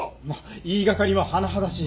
言いがかりは甚だしい。